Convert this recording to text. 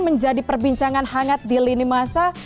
menjadi perbincangan hangat di lini masa